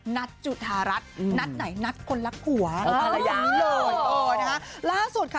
นัทจุธารัฐนัทไหนนัทคนรักหัวอ๋อนี่เลยโอ้นะคะล่าสุดค่ะ